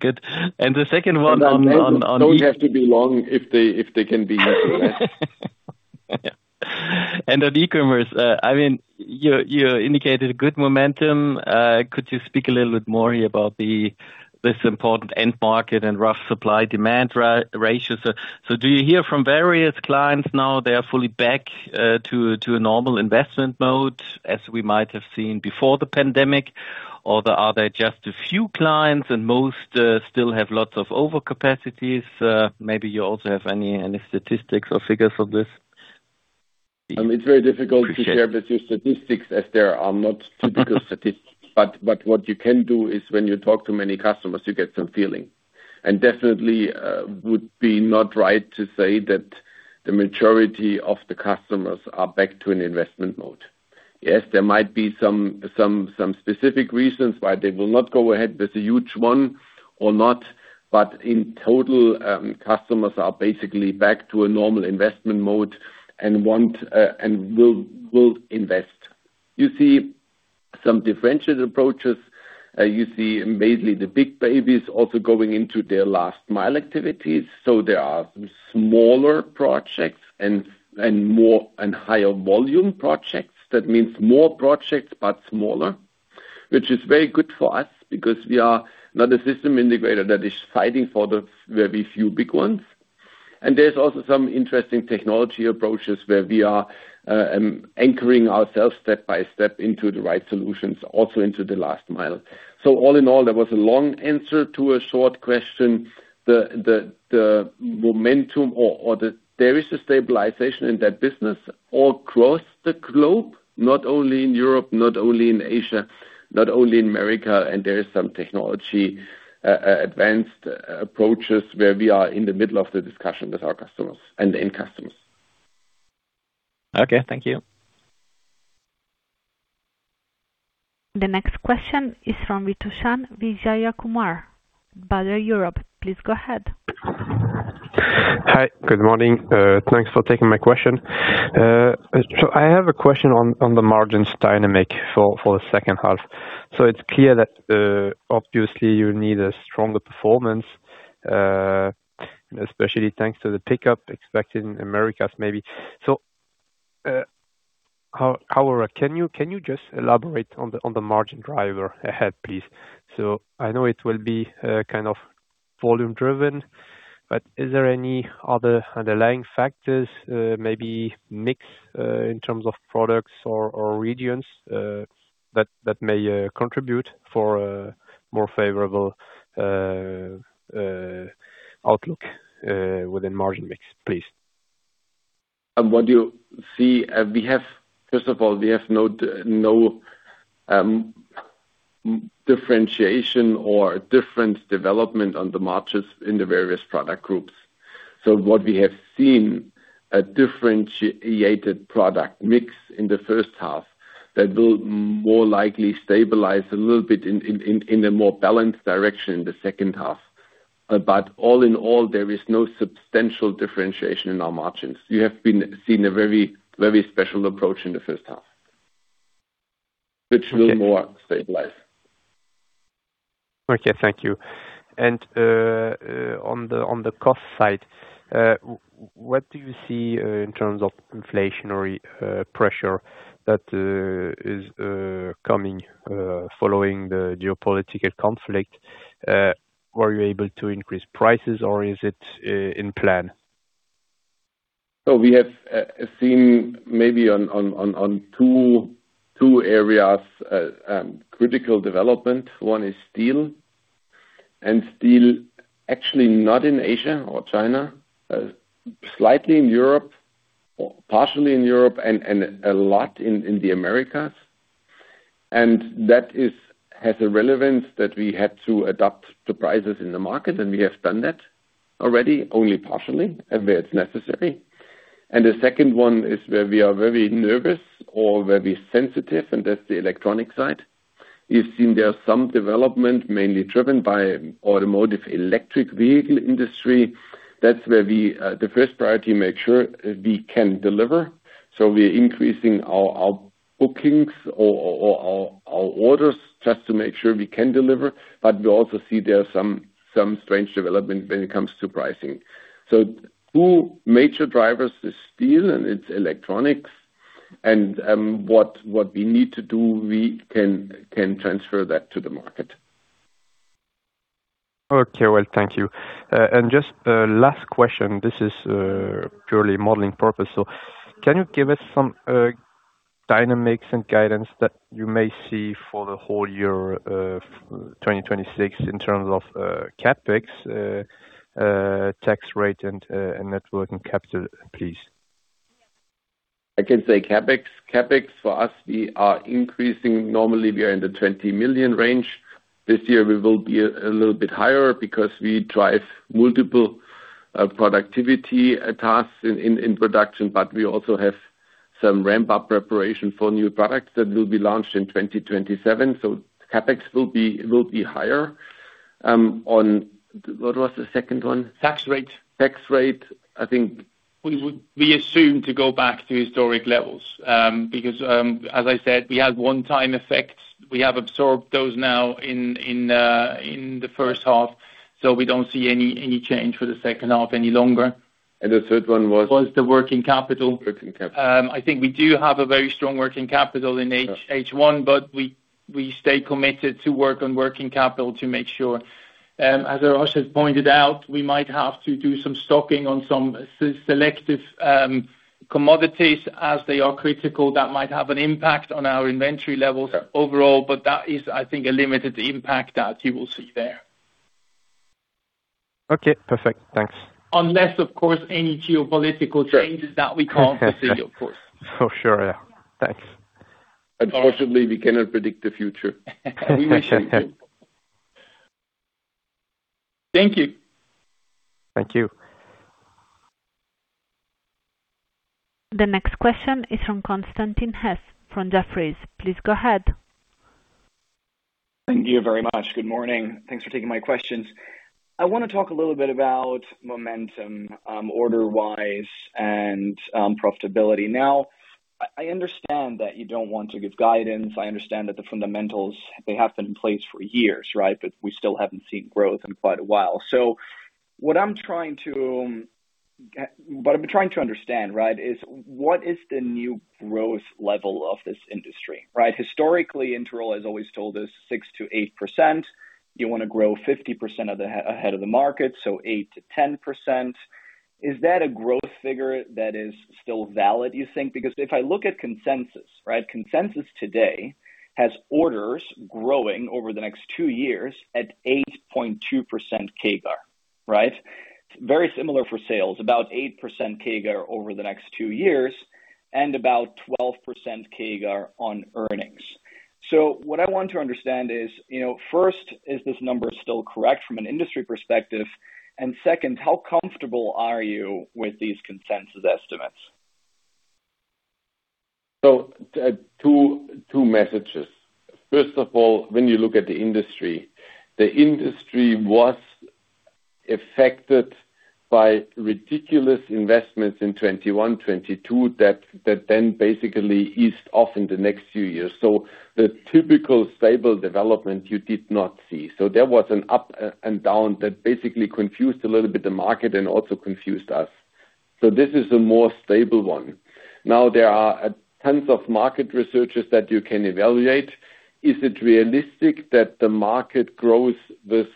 good. The second one on- Don't have to be long if they can be easy, right? On e-commerce, you indicated good momentum. Could you speak a little bit more here about this important end-market and rough supply-demand ratios? Do you hear from various clients now they are fully back to a normal investment mode as we might have seen before the pandemic? Are there just a few clients and most still have lots of overcapacities? Maybe you also have any statistics or figures for this? It's very difficult to share with you statistics as there are not typical statistics. What you can do is when you talk to many customers, you get some feeling. Definitely would be not right to say that the majority of the customers are back to an investment mode. Yes, there might be some specific reasons why they will not go ahead with a huge one or not. In total, customers are basically back to a normal investment mode and will invest. You see some differentiated approaches. You see mainly the big babies also going into their last mile activities. There are some smaller projects and higher volume projects. That means more projects, but smaller. Which is very good for us because we are not a system integrator that is fighting for the very few big ones. There's also some interesting technology approaches where we are anchoring ourselves step-by-step into the right solutions, also into the last mile. All in all, that was a long answer to a short question. There is a stabilization in that business all across the globe, not only in Europe, not only in Asia, not only in America. There is some technology advanced approaches where we are in the middle of the discussion with our customers and the end-customers. Okay. Thank you. The next question is from Vitushan Vijayakumar, Baader Europe. Please go ahead. Hi. Good morning. Thanks for taking my question. I have a question on the margins dynamic for the second half. It's clear that, obviously you need a stronger performance, especially thanks to the pickup expected in Americas, maybe. How can you just elaborate on the margin driver ahead, please? I know it will be kind of volume driven, but is there any other underlying factors maybe mix in terms of products or regions that may contribute for a more favorable outlook within margin mix, please? What you see, first of all, we have no differentiation or different development on the margins in the various product groups. What we have seen a differentiated product mix in the first half that will more likely stabilize a little bit in a more balanced direction in the second half. All in all, there is no substantial differentiation in our margins. We have seen a very special approach in the first half, which will more stabilize. Okay, thank you. On the cost side, what do you see in terms of inflationary pressure that is coming following the geopolitical conflict? Were you able to increase prices or is it in plan? We have seen maybe on two areas, critical development. One is steel. Steel actually not in Asia or China, slightly in Europe or partially in Europe and a lot in the Americas. That has a relevance that we had to adopt the prices in the market, and we have done that already only partially and where it's necessary. The second one is where we are very nervous or very sensitive, and that's the electronic side. We've seen there's some development mainly driven by automotive electric vehicle industry. That's where the first priority, make sure we can deliver. We are increasing our bookings or our orders just to make sure we can deliver. We also see there are some strange development when it comes to pricing. Two major drivers is steel and it's electronics. What we need to do, we can transfer that to the market. Okay. Well, thank you. Just last question. This is purely modeling purpose. Can you give us some dynamics and guidance that you may see for the whole year of 2026 in terms of CapEx, tax rate, and net working capital, please? I can say CapEx. CapEx for us, we are increasing. Normally we are in the 20 million range. This year we will be a little bit higher because we drive multiple productivity tasks in production. We also have some ramp-up preparation for new products that will be launched in 2027. CapEx will be higher. What was the second one? Tax rate. Tax rate, I think. We assume to go back to historic levels, because as I said, we had one-time effects. We have absorbed those now in the first half, we don't see any change for the second half any longer. The third one was? Was the working capital. Working capital. I think we do have a very strong working capital in H1, but we stay committed to work on working capital to make sure. As [inaudible] has pointed out, we might have to do some stocking on some selective commodities as they are critical. That might have an impact on our inventory levels overall, but that is, I think, a limited impact that you will see there. Okay, perfect. Thanks. Unless, of course, any geopolitical changes that we can't foresee, of course. For sure, yeah. Thanks. Unfortunately, we cannot predict the future. We wish we could. Thank you. Thank you. The next question is from Constantin Hesse from Jefferies. Please go ahead. Thank you very much. Good morning. Thanks for taking my questions. I want to talk a little bit about momentum, order-wise and profitability. I understand that you don't want to give guidance. I understand that the fundamentals, they have been in place for years, right? We still haven't seen growth in quite a while. What I've been trying to understand, is what is the new growth level of this industry, right? Historically, Interroll has always told us 6%-8%. You want to grow 50% ahead of the market, so 8%-10%. Is that a growth figure that is still valid, you think? Because if I look at consensus. Consensus today has orders growing over the next two years at 8.2% CAGR. Very similar for sales, about 8% CAGR over the next two years, and about 12% CAGR on earnings. What I want to understand is, first, is this number still correct from an industry perspective? Second, how comfortable are you with these consensus estimates? Two messages. First of all, when you look at the industry. The industry was affected by ridiculous investments in 2021, 2022, that then basically eased off in the next few years. The typical stable development you did not see. There was an up and down that basically confused a little bit the market and also confused us. This is a more stable one. Now there are tons of market researchers that you can evaluate. Is it realistic that the market grows with 6%,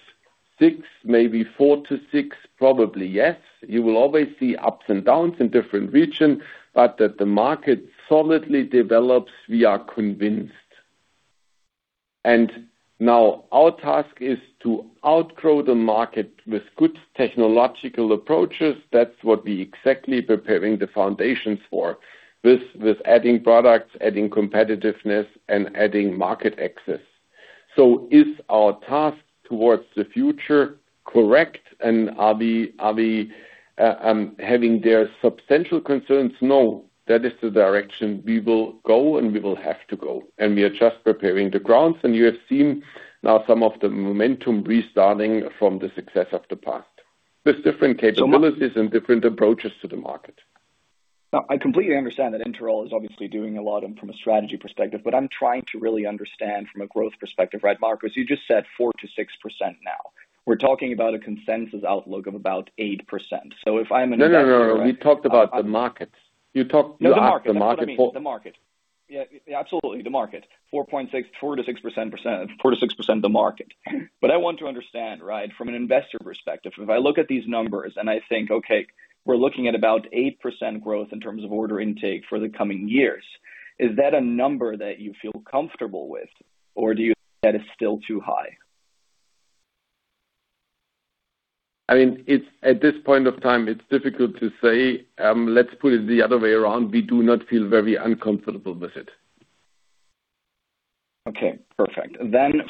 maybe 4%-6%? Probably yes. You will always see ups and downs in different regions, but that the market solidly develops, we are convinced. Now our task is to outgrow the market with good technological approaches. That's what we exactly preparing the foundations for, with adding products, adding competitiveness, and adding market access. Is our task towards the future correct, and are we having there substantial concerns? No. That is the direction we will go and we will have to go. We are just preparing the grounds. You have seen now some of the momentum restarting from the success of the past, with different capabilities and different approaches to the market. No, I completely understand that Interroll is obviously doing a lot from a strategy perspective, but I'm trying to really understand from a growth perspective. Markus, you just said 4%-6% now. We're talking about a consensus outlook of about 8%. If I'm an investor. No. We talked about the market. The market. That's what I mean. The market. Yeah. Absolutely. The market. 4%-6% the market. I want to understand, from an investor perspective, if I look at these numbers and I think, okay, we're looking at about 8% growth in terms of order intake for the coming years, is that a number that you feel comfortable with? Or do you think that is still too high? At this point of time, it's difficult to say. Let's put it the other way around. We do not feel very uncomfortable with it. Okay. Perfect.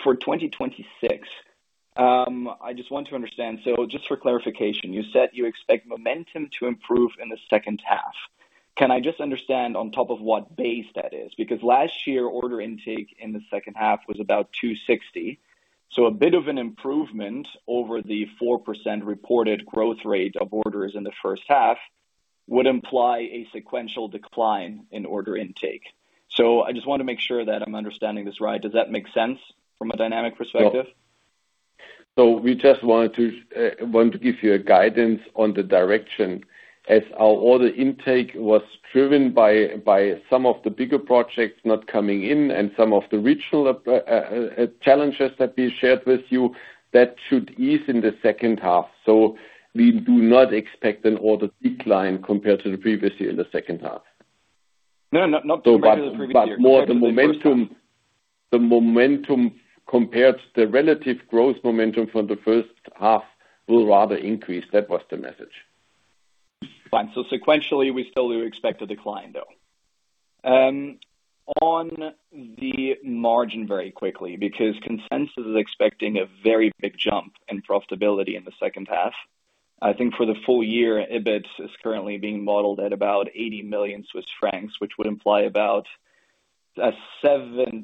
For 2026, I just want to understand, just for clarification, you said you expect momentum to improve in the second half. Can I just understand on top of what base that is? Because last year, order intake in the second half was about 260 million. A bit of an improvement over the 4% reported growth rate of orders in the first half would imply a sequential decline in order intake. I just want to make sure that I'm understanding this right. Does that make sense from a dynamic perspective? We just want to give you a guidance on the direction. Our order intake was driven by some of the bigger projects not coming in and some of the regional challenges that we shared with you, that should ease in the second half. We do not expect an order decline compared to the previous year in the second half. No, not compared to the previous year. More the momentum compared the relative growth momentum from the first half will rather increase. That was the message. Fine. Sequentially, we still do expect a decline, though. On the margin very quickly, because consensus is expecting a very big jump in profitability in the second half. I think for the full-year, EBIT is currently being modeled at about 80 million Swiss francs, which would imply about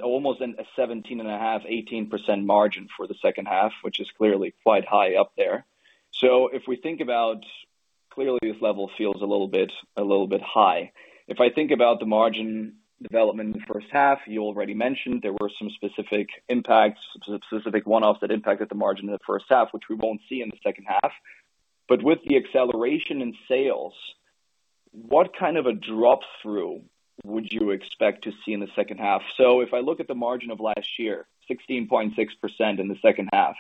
almost a 17.5%-18% margin for the second half, which is clearly quite high up there. If we think about clearly this level feels a little bit high. If I think about the margin development in the first half, you already mentioned there were some specific one-offs that impacted the margin in the first half, which we won't see in the second half. With the acceleration in sales, what kind of a drop-through would you expect to see in the second half? If I look at the margin of last year, 16.6% in the second half,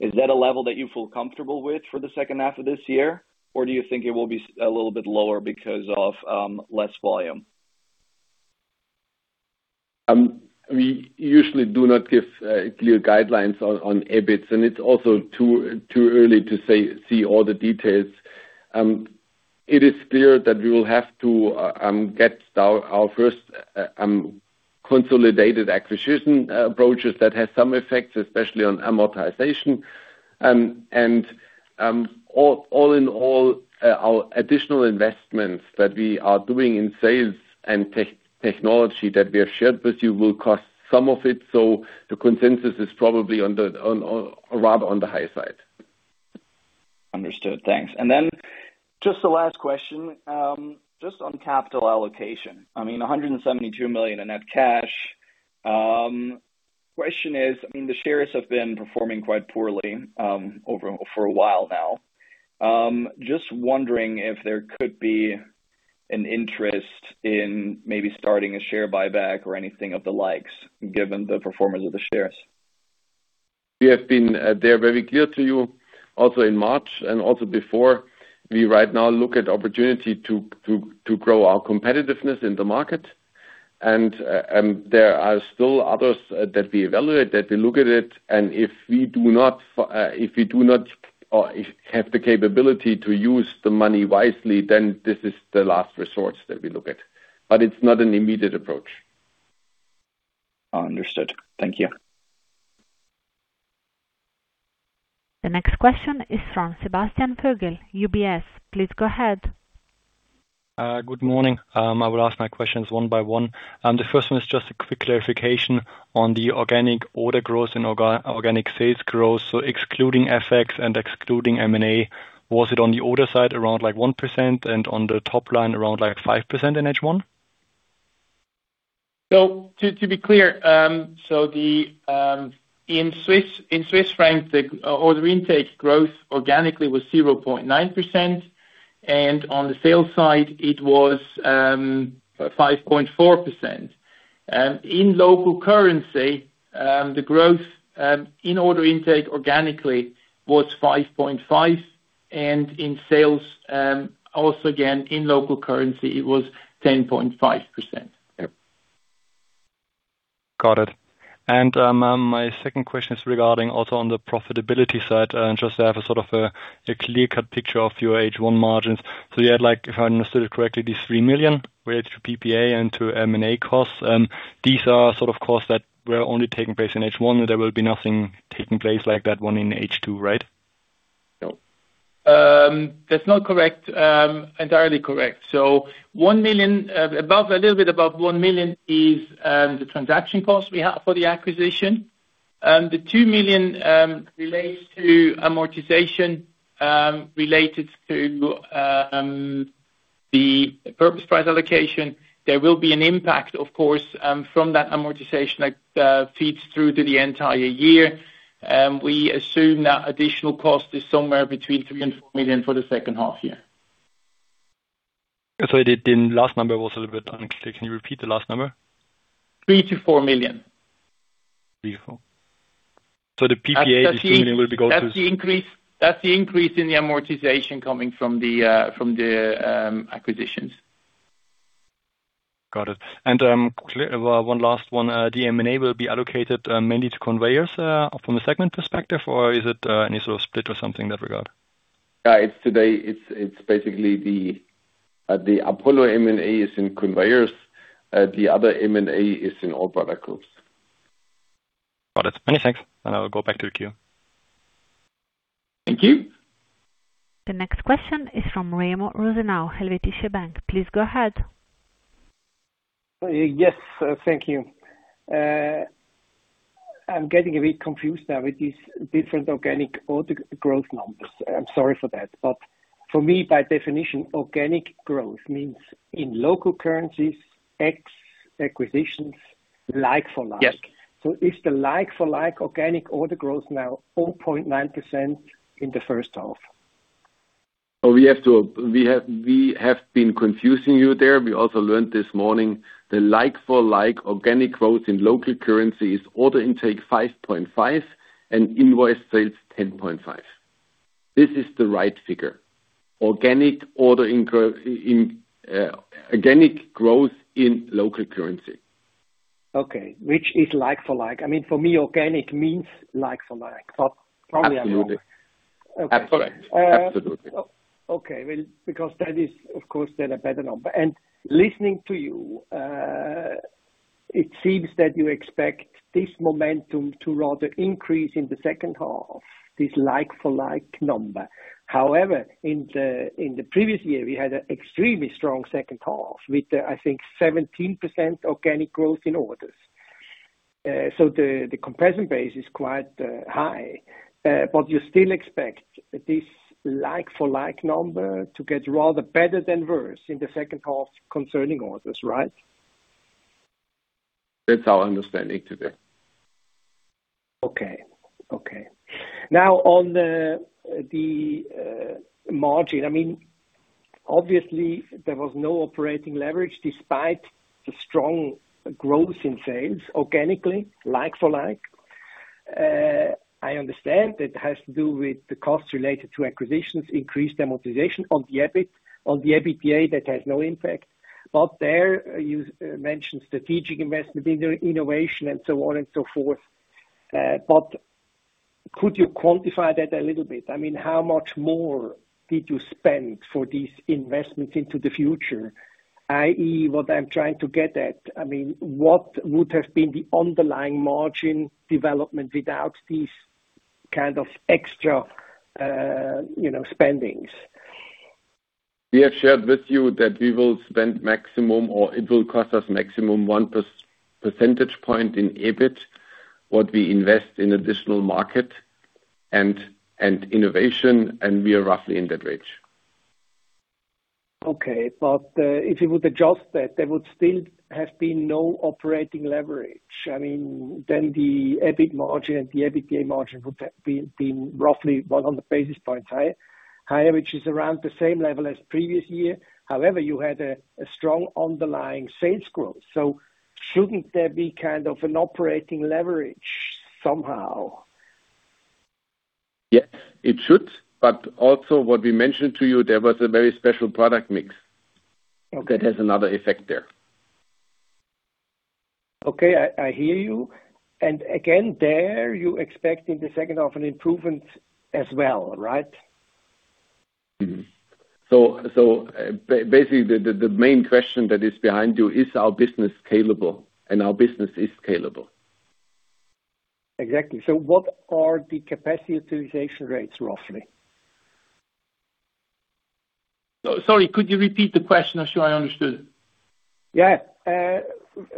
is that a level that you feel comfortable with for the second half of this year? Do you think it will be a little bit lower because of less volume? We usually do not give clear guidelines on EBIT, it's also too early to see all the details. It is clear that we will have to get our first consolidated acquisition approaches that has some effects, especially on amortization. All in all, our additional investments that we are doing in sales and technology that we have shared with you will cost some of it. The consensus is probably rather on the high side. Understood. Thanks. Then just the last question, just on capital allocation. 172 million in net cash. The question is, the shares have been performing quite poorly for a while now. Just wondering if there could be an interest in maybe starting a share buyback or anything of the likes, given the performance of the shares. We have been very clear to you, also in March and also before, we right now look at opportunity to grow our competitiveness in the market. There are still others that we evaluate, that we look at it, and if we do not have the capability to use the money wisely, then this is the last resort that we look at. It's not an immediate approach. Understood. Thank you. The next question is from Sebastian Vogel, UBS. Please go ahead. Good morning. I will ask my questions one-by-one. The first one is just a quick clarification on the organic order growth and organic sales growth. Excluding FX and excluding M&A, was it on the order side around 1% and on the top line around 5% in H1? To be clear, in Swiss franc, the order intake growth organically was 0.9%, and on the sales side, it was 5.4%. In local currency, the growth in order intake organically was 5.5% and in sales, also again, in local currency, it was 10.5%. Got it. My second question is regarding also on the profitability side, just to have a sort of a clear-cut picture of your H1 margins. You had, if I understood correctly, this 3 million related to PPA and to M&A costs. These are sort of costs that were only taking place in H1, there will be nothing taking place like that one in H2, right? No. That's not entirely correct. A little bit above 1 million is the transaction cost we have for the acquisition. The 2 million relates to amortization related to the purchase price allocation. There will be an impact, of course, from that amortization that feeds through to the entire year. We assume that additional cost is somewhere between 3 million and 4 million for the second half year. Sorry, the last number was a little bit unclear. Can you repeat the last number? 3 million to 4 million. 3 million-4 million. The PPA, the 2 million will be gone. That's the increase in the amortization coming from the acquisitions. Got it. One last one. The M&A will be allocated mainly to Conveyors, from a segment perspective, or is it any sort of split or something in that regard? Today, it's basically the Apollo M&A is in Conveyors. The other M&A is in all product groups. Got it. Many thanks. I will go back to the queue. Thank you. The next question is from Remo Rosenau, Helvetische Bank. Please go ahead. Yes. Thank you. I'm getting a bit confused now with these different organic order growth numbers. I'm sorry for that. For me, by definition, organic growth means in local currencies, ex acquisitions, like-for-like. Yes. Is the like-for-like organic order growth now 0.9% in the first half? We have been confusing you there. We also learned this morning the like-for-like organic growth in local currency is order intake 5.5% and invoice sales 10.5%. This is the right figure. Organic growth in local currency. Okay, which is like-for-like. For me, organic means like-for-like, but probably I'm wrong. Absolutely. That's correct. Absolutely. Because that is, of course, a better number. Listening to you, it seems that you expect this momentum to rather increase in the second half, this like-for-like number. In the previous year, we had an extremely strong second half with, I think, 17% organic growth in orders. The comparison base is quite high. You still expect this like-for-like number to get rather better than worse in the second half concerning orders, right? That's our understanding today. On the margin, obviously there was no operating leverage despite the strong growth in sales organically, like-for-like. I understand it has to do with the costs related to acquisitions, increased amortization on the EBIT. On the EBITDA, that has no impact. There, you mentioned strategic investment in innovation and so on and so forth. Could you quantify that a little bit? How much more did you spend for these investments into the future, i.e., what I'm trying to get at, what would have been the underlying margin development without these kind of extra spendings? We have shared with you that we will spend maximum, or it will cost us maximum 1 percentage point in EBIT, what we invest in additional market and innovation, and we are roughly in that range. Okay. If you would adjust that, there would still have been no operating leverage. The EBIT margin and the EBITDA margin would have been roughly 100 basis points higher, which is around the same level as the previous year. However, you had a strong underlying sales growth, shouldn't there be an operating leverage somehow? Yes, it should. Also what we mentioned to you, there was a very special product mix. Okay. That has another effect there. Okay, I hear you. Again, there, you expect in the second half an improvement as well, right? Mm-hmm. Basically, the main question that is behind you, is our business scalable? Our business is scalable. Exactly. What are the capacity utilization rates, roughly? Sorry, could you repeat the question? I'm sure I understood. Yeah.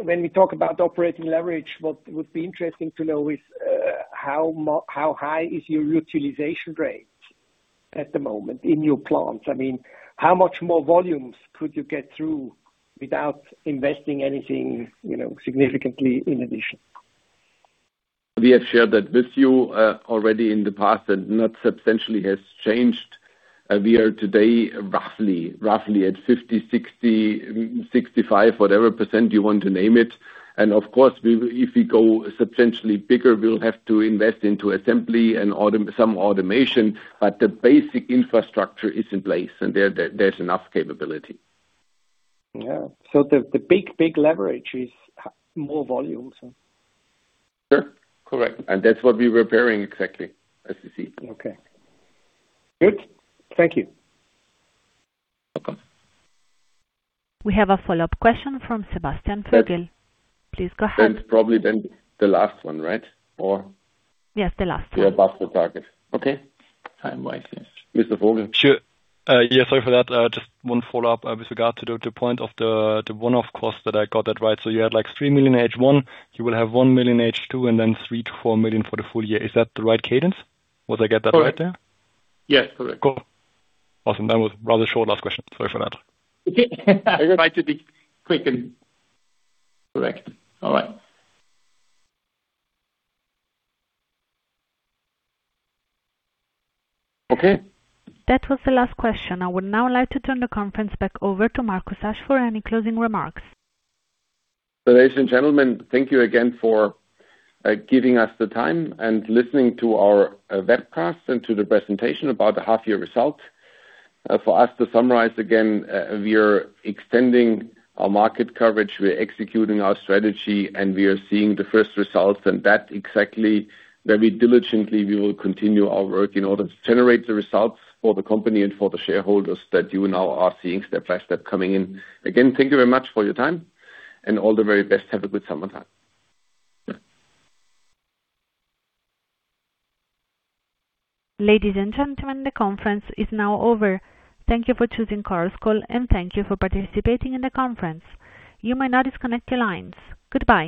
When we talk about operating leverage, what would be interesting to know is, how high is your utilization rate at the moment in your plants? How much more volumes could you get through without investing anything significantly in addition? We have shared that with you already in the past, not substantially has changed. We are today roughly at 50%-60%, 65%, whatever percent you want to name it. Of course, if we go substantially bigger, we'll have to invest into assembly and some automation. The basic infrastructure is in place, and there's enough capability. Yeah. The big leverage is more volumes. Sure. Correct. That's what we were preparing exactly as you see. Okay. Good. Thank you. Welcome. We have a follow-up question from Sebastian Vogel. Please go ahead. That's probably then the last one, right? Or Yes, the last one. We are above the target. Okay. Mr. Vogel. Sure. Yeah, sorry for that. Just one follow-up with regard to the point of the one-off cost that I got that right. You had like 3 million H1, you will have 1 million H2, and then 3 million-4 million for the full-year. Is that the right cadence? Would I get that right there? Yes, correct. Cool. Awesome. That was a rather short last question. Sorry for that. I try to be quick and direct. All right. Okay. That was the last question. I would now like to turn the conference back over to Markus Asch for any closing remarks. Ladies and gentlemen, thank you again for giving us the time and listening to our webcast and to the presentation about the half year results. For us to summarize again, we are extending our market coverage, we're executing our strategy, and we are seeing the first results, and that exactly, very diligently, we will continue our work in order to generate the results for the company and for the shareholders that you now are seeing step-by-step coming in. Again, thank you very much for your time, and all the very best. Have a good summer time. Ladies and gentlemen, the conference is now over. Thank you for choosing Chorus Call, and thank you for participating in the conference. You may now disconnect your lines. Goodbye.